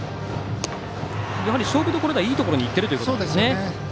勝負どころではいいところにいっているということですね。